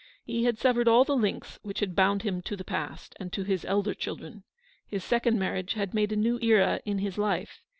He had severed all the links which had bound him to the past, and to his elder children. His second marriage had made a new era in his life.